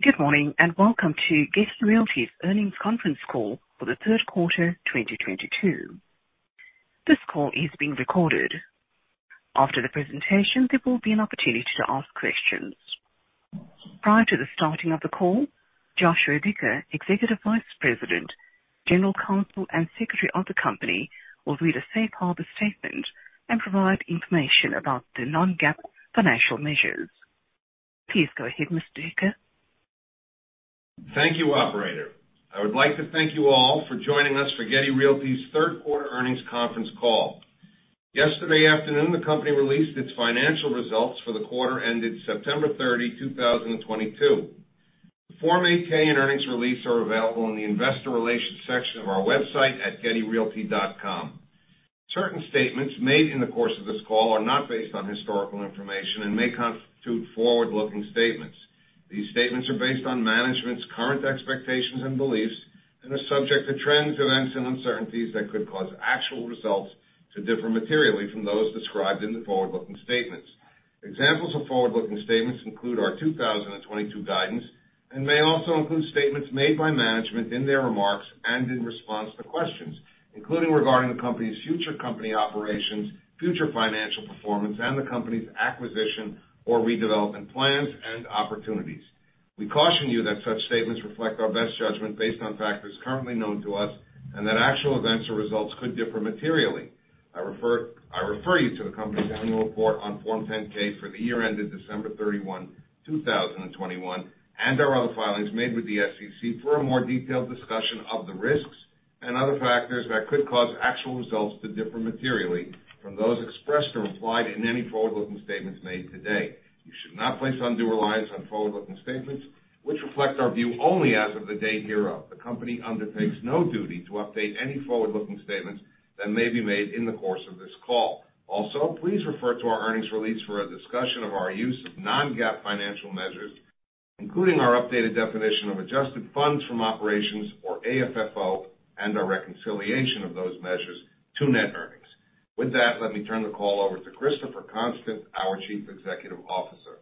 Good morning, and welcome to Getty Realty's earnings conference call for the third quarter 2022. This call is being recorded. After the presentation, there will be an opportunity to ask questions. Prior to the starting of the call, Joshua Dicker, Executive Vice President, General Counsel, and Secretary of the company will read a safe harbor statement and provide information about the non-GAAP financial measures. Please go ahead, Mr. Dicker. Thank you, operator. I would like to thank you all for joining us for Getty Realty's third quarter earnings conference call. Yesterday afternoon, the company released its financial results for the quarter ended September 30th, 2022. The Form 8-K and earnings release are available in the investor relations section of our website at gettyrealty.com. Certain statements made in the course of this call are not based on historical information and may constitute forward-looking statements. These statements are based on management's current expectations and beliefs and are subject to trends, events, and uncertainties that could cause actual results to differ materially from those described in the forward-looking statements. Examples of forward-looking statements include our 2022 guidance and may also include statements made by management in their remarks and in response to questions, including regarding the company's future company operations, future financial performance, and the company's acquisition or redevelopment plans and opportunities. We caution you that such statements reflect our best judgment based on factors currently known to us, and that actual events or results could differ materially. I refer you to the company's annual report on Form 10-K for the year ended December 31st, 2021, and our other filings made with the SEC for a more detailed discussion of the risks and other factors that could cause actual results to differ materially from those expressed or implied in any forward-looking statements made today. You should not place undue reliance on forward-looking statements, which reflect our view only as of the date hereof. The company undertakes no duty to update any forward-looking statements that may be made in the course of this call. Also, please refer to our earnings release for a discussion of our use of non-GAAP financial measures, including our updated definition of adjusted funds from operations or AFFO and our reconciliation of those measures to net earnings. With that, let me turn the call over to Christopher Constant, our Chief Executive Officer.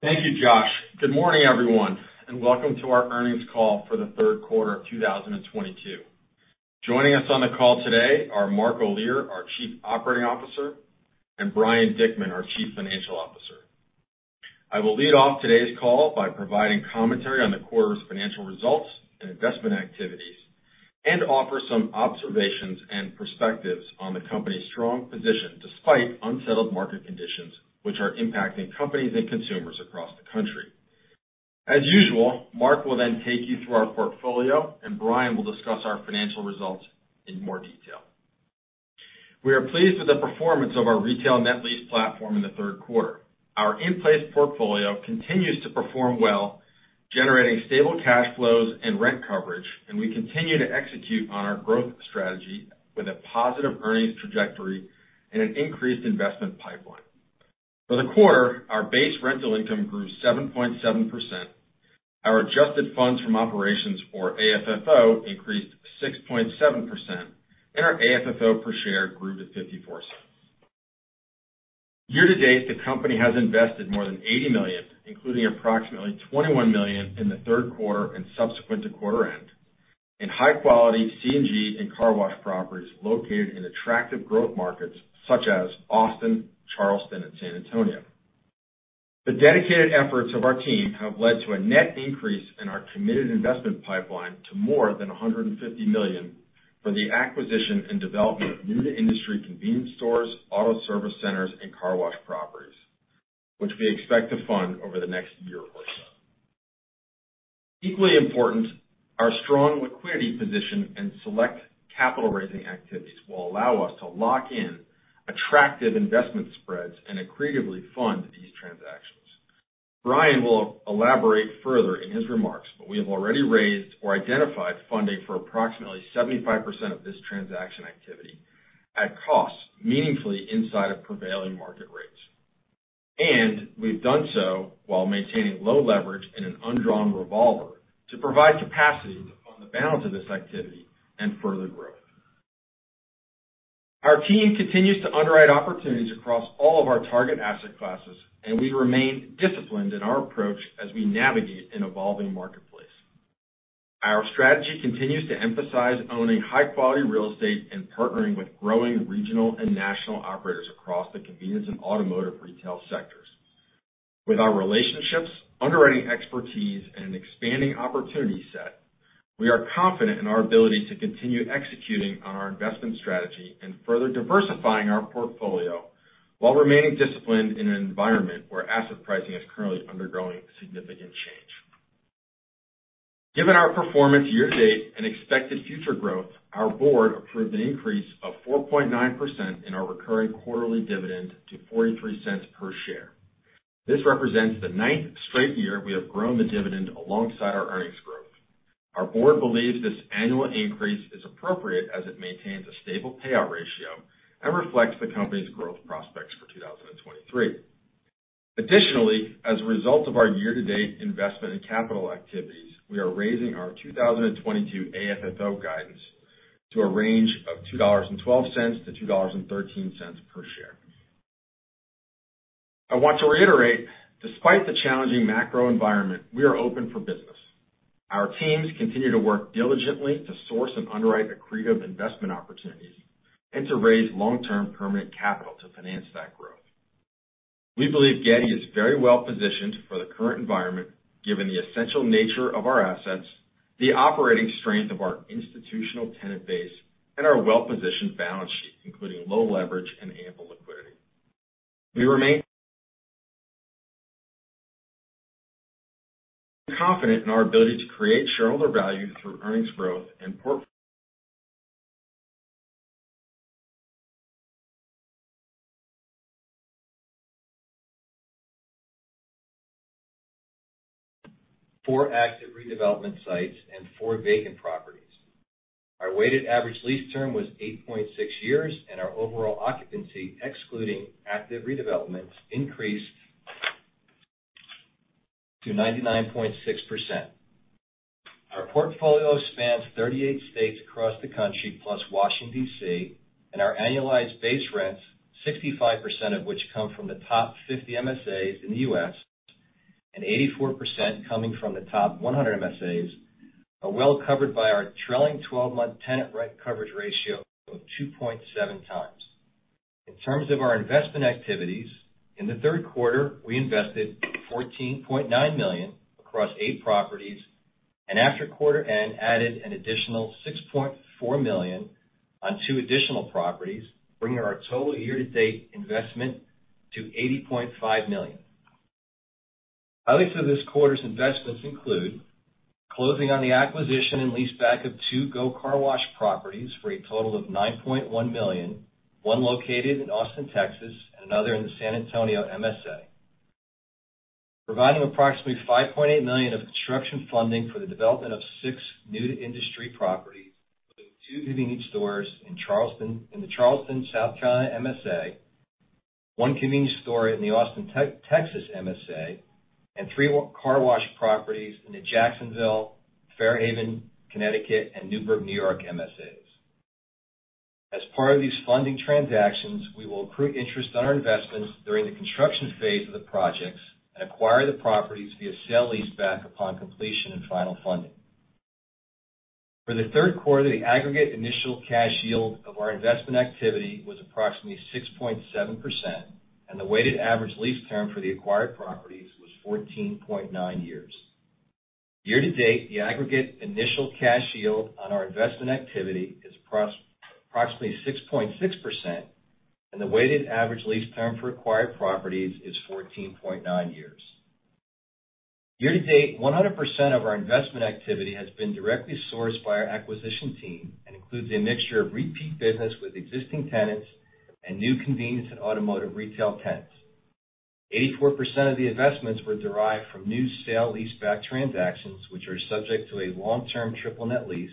Thank you, Josh. Good morning, everyone, and welcome to our earnings call for the third quarter of 2022. Joining us on the call today are Mark Olear, our Chief Operating Officer, and Brian Dickman, our Chief Financial Officer. I will lead off today's call by providing commentary on the quarter's financial results and investment activities and offer some observations and perspectives on the company's strong position despite unsettled market conditions which are impacting companies and consumers across the country. As usual, Mark will then take you through our portfolio, and Brian will discuss our financial results in more detail. We are pleased with the performance of our retail net lease platform in the third quarter. Our in-place portfolio continues to perform well, generating stable cash flows and rent coverage, and we continue to execute on our growth strategy with a positive earnings trajectory and an increased investment pipeline. For the quarter, our base rental income grew 7.7%. Our adjusted funds from operations, or AFFO, increased 6.7%, and our AFFO per share grew to $0.54. Year to date, the company has invested more than $80 million, including approximately $21 million in the third quarter and subsequent to quarter end in high-quality C&G and car wash properties located in attractive growth markets such as Austin, Charleston, and San Antonio. The dedicated efforts of our team have led to a net increase in our committed investment pipeline to more than $150 million for the acquisition and development of new-to-industry convenience stores, auto service centers, and car wash properties, which we expect to fund over the next year or so. Equally important, our strong liquidity position and select capital raising activities will allow us to lock in attractive investment spreads and creatively fund these transactions. Brian will elaborate further in his remarks, but we have already raised or identified funding for approximately 75% of this transaction activity at costs meaningfully inside of prevailing market rates. We've done so while maintaining low leverage in an undrawn revolver to provide capacity to fund the balance of this activity and further growth. Our team continues to underwrite opportunities across all of our target asset classes, and we remain disciplined in our approach as we navigate an evolving marketplace. Our strategy continues to emphasize owning high-quality real estate and partnering with growing regional and national operators across the convenience and automotive retail sectors. With our relationships, underwriting expertise, and an expanding opportunity set, we are confident in our ability to continue executing on our investment strategy and further diversifying our portfolio while remaining disciplined in an environment where asset pricing is currently undergoing significant change. Given our performance year to date and expected future growth, our board approved an increase of 4.9% in our recurring quarterly dividend to $0.43 per share. This represents the ninth straight year we have grown the dividend alongside our earnings growth. Our board believes this annual increase is appropriate as it maintains a stable payout ratio and reflects the company's growth prospects for 2023. Additionally, as a result of our year-to-date investment in capital activities, we are raising our 2022 AFFO guidance. To a range of $2.12-$2.13 per share. I want to reiterate, despite the challenging macro environment, we are open for business. Our teams continue to work diligently to source and underwrite accretive investment opportunities and to raise long-term permanent capital to finance that growth. We believe Getty is very well-positioned for the current environment, given the essential nature of our assets, the operating strength of our institutional tenant base, and our well-positioned balance sheet, including low leverage and ample liquidity. We remain confident in our ability to create shareholder value through earnings growth and 4 active redevelopment sites and four vacant properties. Our weighted average lease term was 8.6 years, and our overall occupancy, excluding active redevelopments, increased to 99.6%. Our portfolio spans 38 states across the country, plus Washington, D.C., and our annualized base rents, 65% of which come from the top 50 MSAs in the U.S. and 84% coming from the top 100 MSAs, are well covered by our trailing twelve-month tenant rent coverage ratio of 2.7x. In terms of our investment activities, in the third quarter, we invested $14.9 million across eight properties and after quarter end, added an additional $6.4 million on two additional properties, bringing our total year-to-date investment to $80.5 million. Highlights of this quarter's investments include closing on the acquisition and leaseback of two GO Car Wash properties for a total of $9.1 million, one located in Austin, Texas, and another in the San Antonio MSA. Providing approximately $5.8 million of construction funding for the development of six new-to-industry properties, including two convenience stores in the Charleston, South Carolina MSA, one convenience store in the Austin, Texas MSA, and three car wash properties in the Jacksonville, Fair Haven, Connecticut, and Newburgh, New York MSAs. As part of these funding transactions, we will accrue interest on our investments during the construction phase of the projects and acquire the properties via sale leaseback upon completion and final funding. For the third quarter, the aggregate initial cash yield of our investment activity was approximately 6.7%, and the weighted average lease term for the acquired properties was 14.9 years. Year to date, the aggregate initial cash yield on our investment activity is approximately 6.6%, and the weighted average lease term for acquired properties is 14.9 years. Year to date, 100% of our investment activity has been directly sourced by our acquisition team and includes a mixture of repeat business with existing tenants and new convenience and automotive retail tenants. 84% of the investments were derived from new sale leaseback transactions, which are subject to a long-term triple net lease,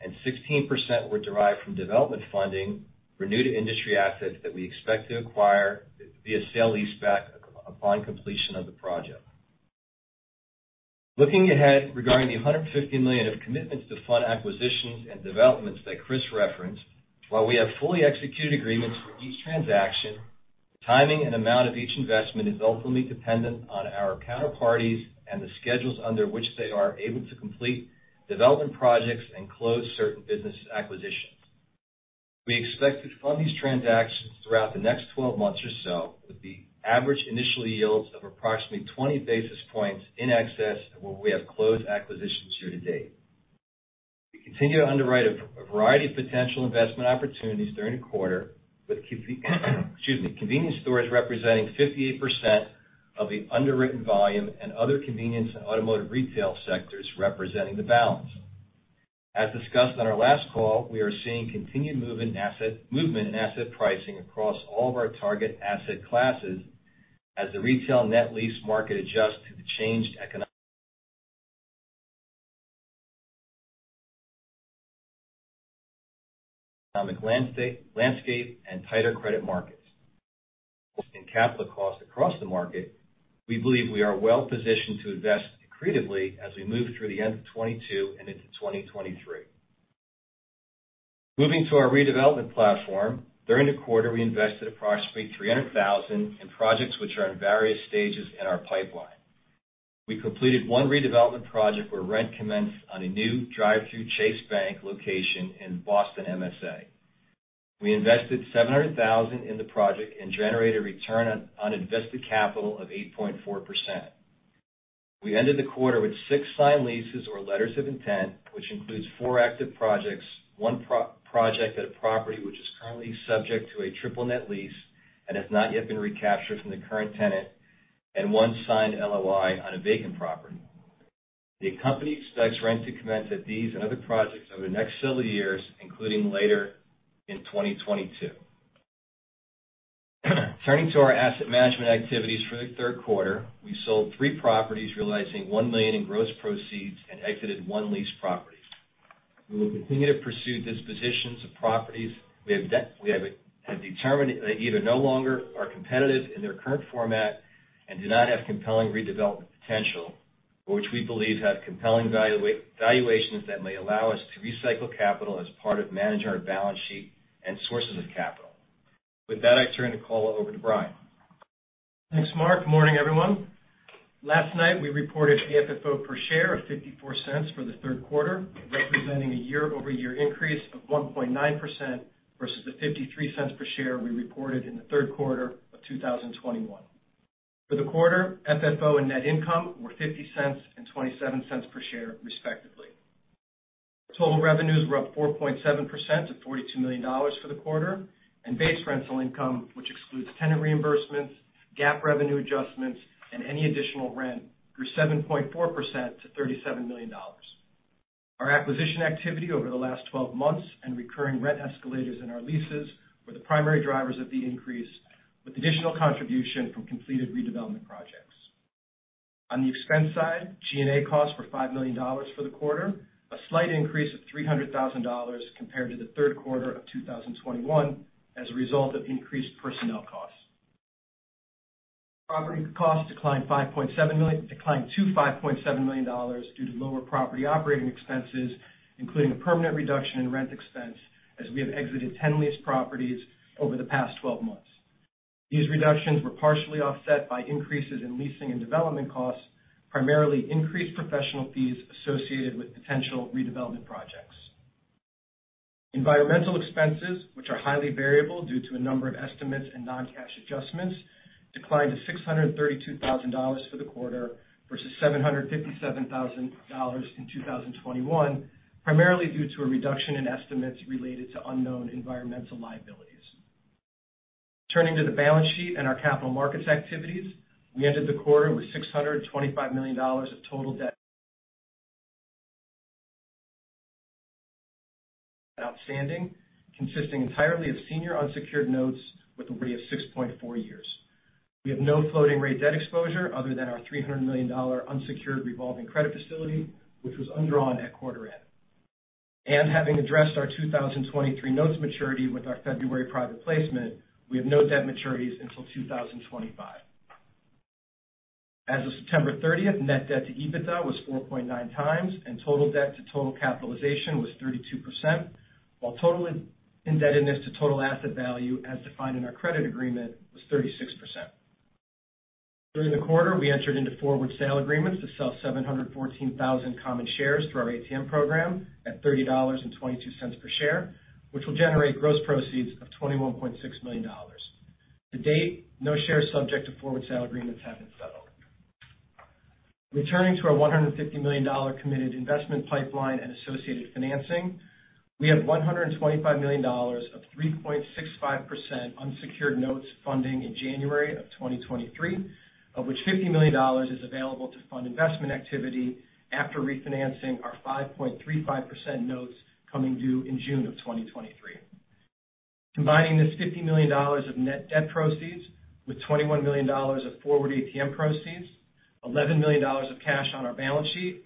and 16% were derived from development funding for new-to-industry assets that we expect to acquire via sale leaseback upon completion of the project. Looking ahead, regarding the $150 million of commitments to fund acquisitions and developments that Chris referenced, while we have fully executed agreements for each transaction, the timing and amount of each investment is ultimately dependent on our counterparties and the schedules under which they are able to complete development projects and close certain business acquisitions. We expect to fund these transactions throughout the next 12 months or so with the average initial yields of approximately 20 basis points in excess of what we have closed acquisitions year to date. We continue to underwrite a variety of potential investment opportunities during the quarter, with convenience stores representing 58% of the underwritten volume and other convenience and automotive retail sectors representing the balance. As discussed on our last call, we are seeing continued movement in asset pricing across all of our target asset classes as the retail net lease market adjusts to the changed economic landscape and tighter credit markets. In capital costs across the market, we believe we are well positioned to invest accretively as we move through the end of 2022 and into 2023. Moving to our redevelopment platform. During the quarter, we invested approximately $300,000 in projects which are in various stages in our pipeline. We completed one redevelopment project where rent commenced on a new drive-through Chase Bank location in Boston MSA. We invested $700,000 in the project and generated return on invested capital of 8.4%. We ended the quarter with 6 signed leases or letters of intent, which includes four active projects, one proposed project at a property which is currently subject to a triple net lease and has not yet been recaptured from the current tenant, and one signed LOI on a vacant property. The company expects rent to commence at these and other projects over the next several years, including later in 2022. Turning to our asset management activities for the third quarter. We sold three properties, realizing $1 million in gross proceeds and exited 1 lease property. We will continue to pursue dispositions of properties we have determined that either no longer are competitive in their current format and do not have compelling redevelopment potential which we believe have compelling valuations that may allow us to recycle capital as part of managing our balance sheet and sources of capital. With that, I turn the call over to Brian. Thanks, Mark. Morning, everyone. Last night, we reported the FFO per share of $0.54 for the third quarter, representing a year-over-year increase of 1.9% versus the $0.53 per share we reported in the third quarter of 2021. For the quarter, FFO and net income were $0.50 and $0.27 per share, respectively. Total revenues were up 4.7% to $42 million for the quarter, and base rental income, which excludes tenant reimbursements, GAAP revenue adjustments, and any additional rent, grew 7.4% to $37 million. Our acquisition activity over the last 12 months and recurring rent escalators in our leases were the primary drivers of the increase, with additional contribution from completed redevelopment projects. On the expense side, G&A costs were $5 million for the quarter, a slight increase of $300,000 compared to the third quarter of 2021 as a result of increased personnel costs. Property costs declined to $5.7 million due to lower property operating expenses, including a permanent reduction in rent expense, as we have exited 10 leased properties over the past 12 months. These reductions were partially offset by increases in leasing and development costs, primarily increased professional fees associated with potential redevelopment projects. Environmental expenses, which are highly variable due to a number of estimates and non-cash adjustments, declined to $632,000 for the quarter versus $757,000 in 2021, primarily due to a reduction in estimates related to unknown environmental liabilities. Turning to the balance sheet and our capital markets activities, we ended the quarter with $625 million of total debt outstanding, consisting entirely of senior unsecured notes with a rate of 6.4 years. We have no floating rate debt exposure other than our $300 million unsecured revolving credit facility, which was undrawn at quarter end. Having addressed our 2023 notes maturity with our February private placement, we have no debt maturities until 2025. As of September 30, net debt to EBITDA was 4.9x, and total debt to total capitalization was 32%, while total indebtedness to total asset value, as defined in our credit agreement, was 36%. During the quarter, we entered into forward sale agreements to sell 714,000 common shares through our ATM program at $30.22 per share, which will generate gross proceeds of $21.6 million. To date, no shares subject to forward sale agreements have been settled. Returning to our $150 million committed investment pipeline and associated financing, we have $125 million of 3.65% unsecured notes funding in January 2023, of which $50 million is available to fund investment activity after refinancing our 5.35% notes coming due in June 2023. Combining this $50 million of net debt proceeds with $21 million of forward ATM proceeds, $11 million of cash on our balance sheet,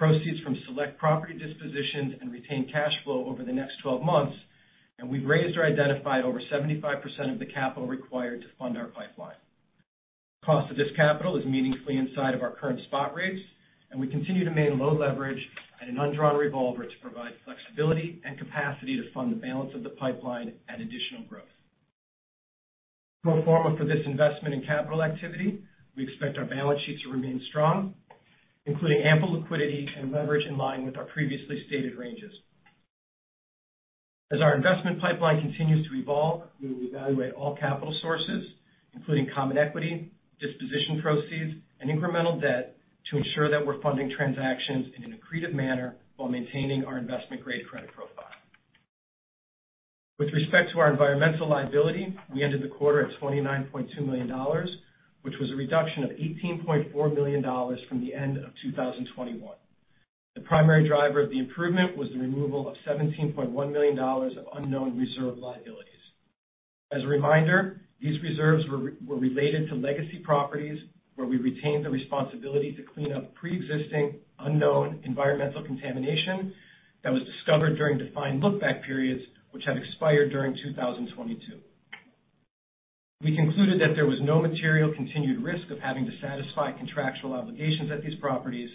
proceeds from select property dispositions and retained cash flow over the next 12 months, we've raised or identified over 75% of the capital required to fund our pipeline. Cost of this capital is meaningfully inside of our current spot rates, and we continue to maintain low leverage and an undrawn revolver to provide flexibility and capacity to fund the balance of the pipeline at additional growth. Pro forma for this investment in capital activity, we expect our balance sheet to remain strong, including ample liquidity and leverage in line with our previously stated ranges. As our investment pipeline continues to evolve, we will evaluate all capital sources, including common equity, disposition proceeds, and incremental debt to ensure that we're funding transactions in an accretive manner while maintaining our investment-grade credit profile. With respect to our environmental liability, we ended the quarter at $29.2 million, which was a reduction of $18.4 million from the end of 2021. The primary driver of the improvement was the removal of $17.1 million of unknown reserve liabilities. As a reminder, these reserves were related to legacy properties where we retained the responsibility to clean up pre-existing unknown environmental contamination that was discovered during defined look-back periods which had expired during 2022. We concluded that there was no material continued risk of having to satisfy contractual obligations at these properties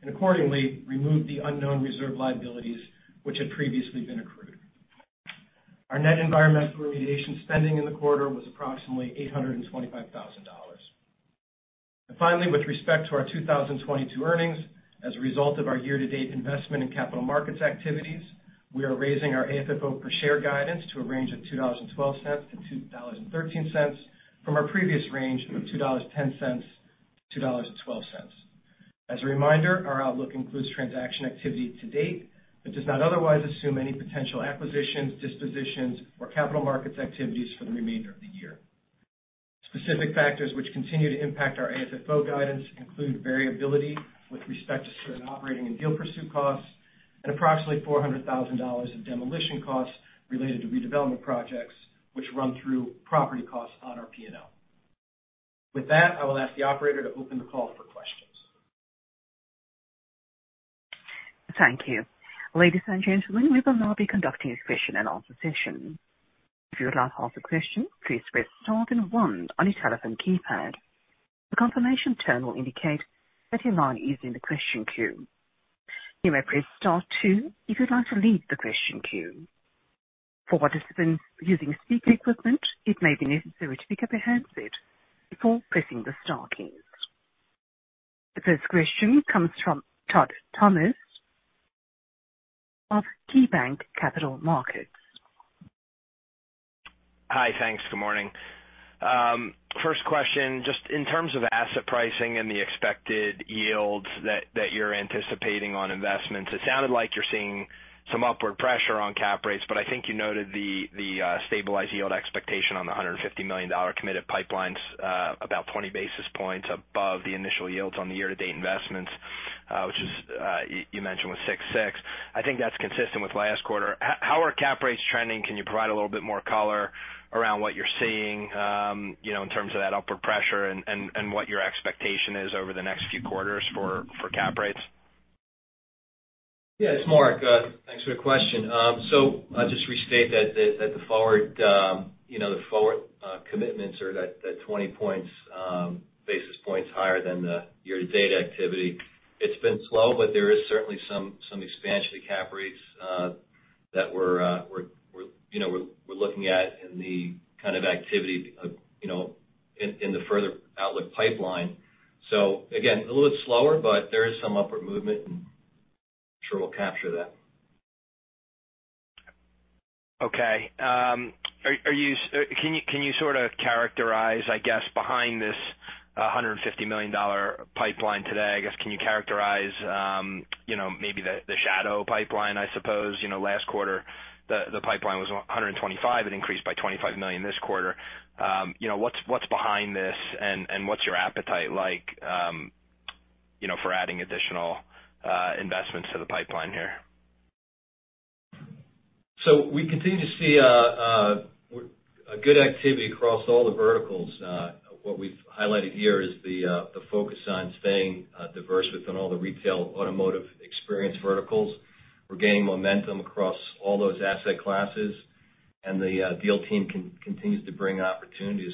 and accordingly removed the unknown reserve liabilities which had previously been accrued. Our net environmental remediation spending in the quarter was approximately $825,000. Finally, with respect to our 2022 earnings, as a result of our year-to-date investment in capital markets activities, we are raising our AFFO per share guidance to a range of $2.12-$2.13 from our previous range of $2.10-$2.12. As a reminder, our outlook includes transaction activity to date, but does not otherwise assume any potential acquisitions, dispositions, or capital markets activities for the remainder of the year. Specific factors which continue to impact our AFFO guidance include variability with respect to certain operating and deal pursuit costs, and approximately $400,000 in demolition costs related to redevelopment projects which run through property costs on our P&L. With that, I will ask the operator to open the call for questions. Thank you. Ladies and gentlemen, we will now be conducting a question-and-answer session. If you would like to ask a question, please press star then one on your telephone keypad. A confirmation tone will indicate that your line is in the question queue. You may press star two if you'd like to leave the question queue. For participants using speaker equipment, it may be necessary to pick up your handset before pressing the star key. The first question comes from Todd Thomas of KeyBanc Capital Markets. Hi. Thanks. Good morning. First question, just in terms of asset pricing and the expected yields that you're anticipating on investments, it sounded like you're seeing some upward pressure on cap rates, but I think you noted the stabilized yield expectation on the $150 million committed pipelines, about 20 basis points above the initial yields on the year-to-date investments, which you mentioned was 6.6. I think that's consistent with last quarter. How are cap rates trending? Can you provide a little bit more color around what you're seeing, you know, in terms of that upward pressure and what your expectation is over the next few quarters for cap rates? Yeah. It's Mark. Thanks for your question. I'll just restate that the forward commitments are 20 basis points higher than the year-to-date activity. It's been slow, but there is certainly some expansion to cap rates that we're looking at in the kind of activity you know in the future outlook pipeline. Again, a little bit slower, but there is some upward movement, and I'm sure we'll capture that. Okay. Can you sort of characterize, I guess, behind this $150 million pipeline today? I guess, can you characterize you know, maybe the shadow pipeline, I suppose? You know, last quarter the pipeline was $125 million. It increased by $25 million this quarter. You know, what's behind this and what's your appetite like, you know, for adding additional investments to the pipeline here? We continue to see a good activity across all the verticals. What we've highlighted here is the focus on staying diverse within all the retail automotive experience verticals. We're gaining momentum across all those asset classes. The deal team continues to bring opportunities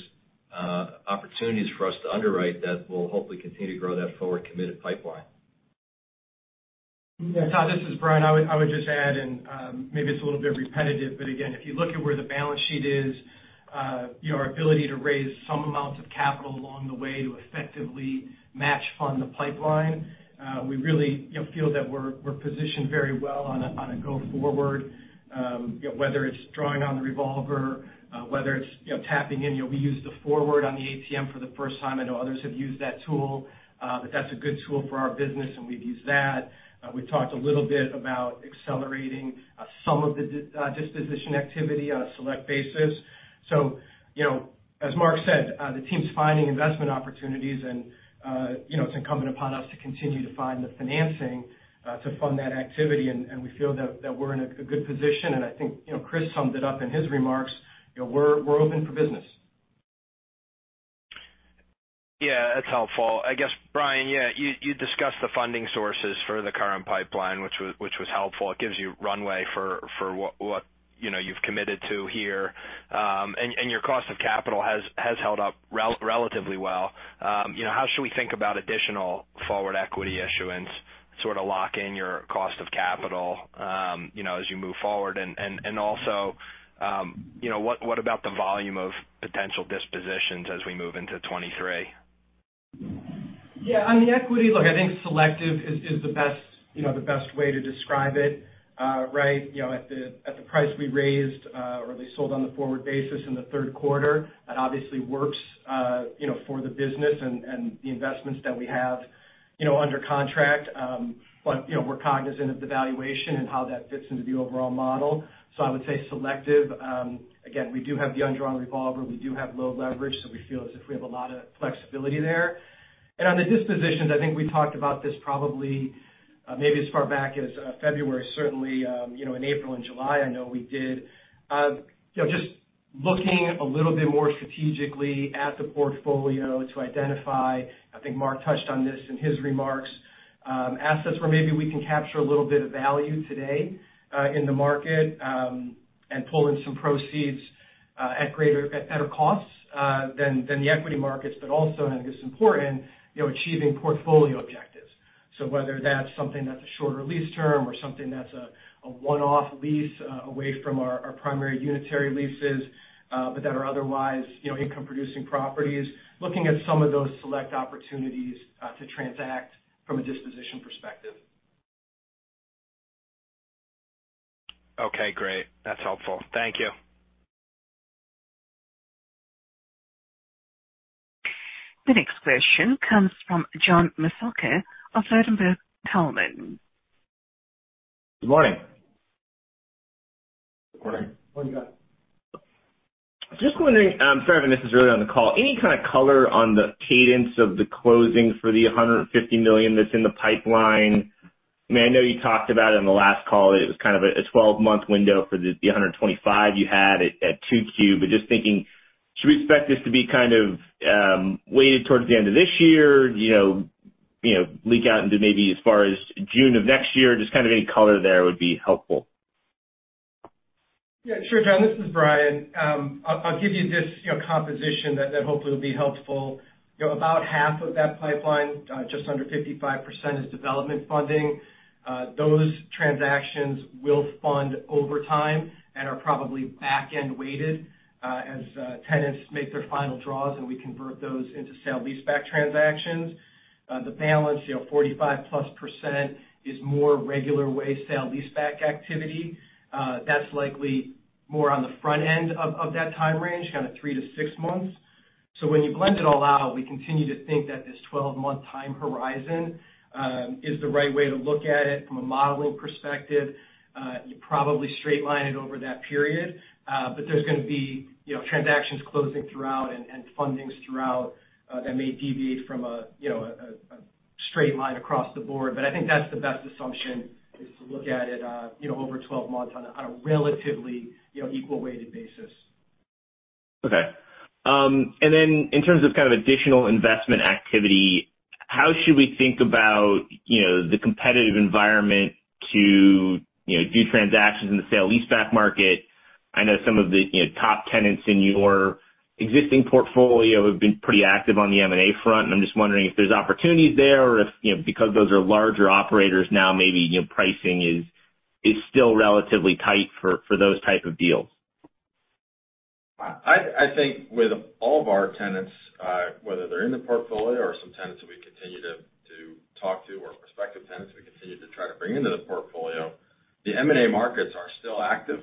for us to underwrite that will hopefully continue to grow that forward committed pipeline. Yeah. Todd, this is Brian. I would just add, maybe it's a little bit repetitive, but again, if you look at where the balance sheet is, your ability to raise some amounts of capital along the way to effectively match fund the pipeline, we really, you know, feel that we're positioned very well on a go forward. You know, whether it's drawing on the revolver, whether it's, you know, tapping in. You know, we use the forward on the ATM for the first time. I know others have used that tool, but that's a good tool for our business, and we've used that. We've talked a little bit about accelerating some of the disposition activity on a select basis. You know, as Mark said, the team's finding investment opportunities and, you know, it's incumbent upon us to continue to find the financing to fund that activity. We feel that we're in a good position. I think, you know, Chris summed it up in his remarks. You know, we're open for business. Yeah, that's helpful. I guess, Brian, you discussed the funding sources for the current pipeline, which was helpful. It gives you runway for what you know you've committed to here. Your cost of capital has held up relatively well. You know, how should we think about additional forward equity issuance, sort of lock in your cost of capital, you know, as you move forward? Also, you know, what about the volume of potential dispositions as we move into 2023? Yeah. On the equity look, I think selective is the best, you know, the best way to describe it. Right at the price we raised, or at least sold on the forward basis in the third quarter. It obviously works, you know, for the business and the investments that we have, you know, under contract. But, you know, we're cognizant of the valuation and how that fits into the overall model. So I would say selective. Again, we do have the undrawn revolver. We do have low leverage, so we feel as if we have a lot of flexibility there. On the dispositions, I think we talked about this probably, maybe as far back as February, certainly, you know, in April and July, I know we did. You know, just looking a little bit more strategically at the portfolio to identify, I think Mark touched on this in his remarks, assets where maybe we can capture a little bit of value today in the market and pull in some proceeds at better costs than the equity markets, but also, and I think it's important, you know, achieving portfolio objectives. So whether that's something that's a shorter lease term or something that's a one-off lease away from our primary unitary leases but that are otherwise, you know, income producing properties. Looking at some of those select opportunities to transact from a disposition perspective. Okay, great. That's helpful. Thank you. The next question comes from John Massocca of B. Riley Securities. Good morning. Good morning. What you got? Just wondering, sorry if this is early on the call. Any kind of color on the cadence of the closings for the $150 million that's in the pipeline? I mean, I know you talked about it on the last call. It was kind of a 12-month window for the $125 million you had at 2Q. Should we expect this to be kind of weighted towards the end of this year, you know, leak out into maybe as far as June of next year? Just kind of any color there would be helpful. Yeah, sure, John. This is Brian. I'll give you this, you know, composition that hopefully will be helpful. You know, about half of that pipeline, just under 55% is development funding. Those transactions will fund over time and are probably back-end weighted, as tenants make their final draws, and we convert those into sale leaseback transactions. The balance, you know, 45%+ is more regular way sale leaseback activity. That's likely more on the front end of that time range, kind of 3-6 months. When you blend it all out, we continue to think that this 12-month time horizon is the right way to look at it from a modeling perspective. You probably straight line it over that period, but there's gonna be, you know, transactions closing throughout and fundings throughout, that may deviate from a straight line across the board. I think that's the best assumption is to look at it, you know, over 12 months on a relatively, you know, equal weighted basis. Okay. And then in terms of kind of additional investment activity, how should we think about, you know, the competitive environment to, you know, do transactions in the sale leaseback market? I know some of the, you know, top tenants in your existing portfolio have been pretty active on the M&A front, and I'm just wondering if there's opportunities there or if, you know, because those are larger operators now, maybe, you know, pricing is still relatively tight for those type of deals. I think with all of our tenants, whether they're in the portfolio or some tenants that we continue to talk to or prospective tenants we continue to try to bring into the portfolio, the M&A markets are still active.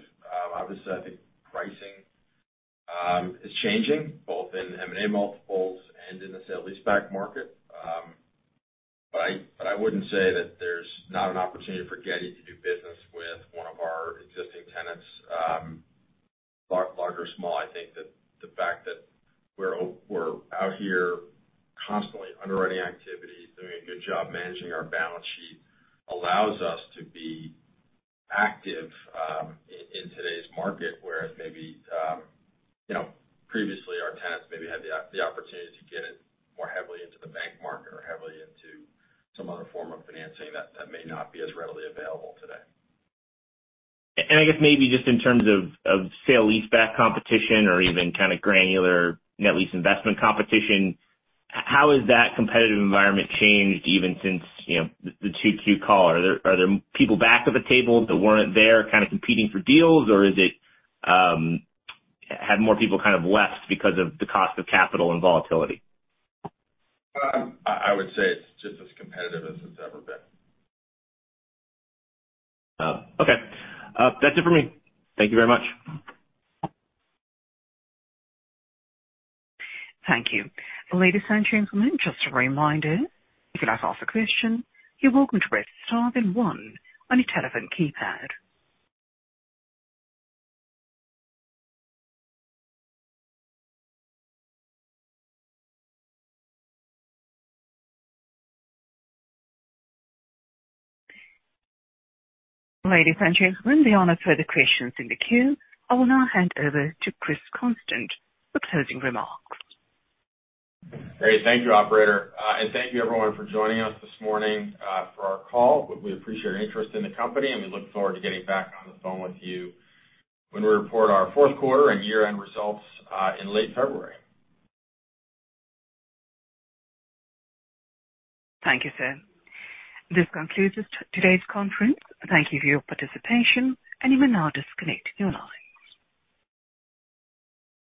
Obviously, I think pricing is changing both in M&A multiples and in the sale leaseback market. I wouldn't say that there's not an opportunity for Getty to do business with one of our existing tenants, large or small. I think that the fact that we're out here constantly underwriting activities, doing a good job managing our balance sheet, allows us to be active in today's market where it may be, you know, previously our tenants maybe had the opportunity to get in more heavily into the bond market or heavily into some other form of financing that may not be as readily available today. I guess maybe just in terms of of sale leaseback competition or even kind of granular net lease investment competition, how has that competitive environment changed even since, you know, the 2Q call? Are there people back at the table that weren't there kind of competing for deals? Or is it, have more people kind of left because of the cost of capital and volatility? I would say it's just as competitive as it's ever been. Okay. That's it for me. Thank you very much. Thank you. Ladies and gentlemen, just a reminder, if you'd like to ask a question, you're welcome to press star then one on your telephone keypad. Ladies and gentlemen, there are no further questions in the queue. I will now hand over to Chris Constant for closing remarks. Great. Thank you, operator. Thank you everyone for joining us this morning, for our call. We appreciate your interest in the company, and we look forward to getting back on the phone with you when we report our fourth quarter and year-end results, in late February. Thank you, sir. This concludes today's conference. Thank you for your participation, and you may now disconnect your lines.